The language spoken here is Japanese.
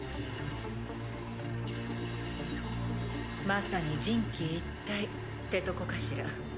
まさに人機一体ってとこかしら。